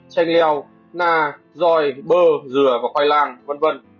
chanh leo na dòi bơ dừa và khoai lang v v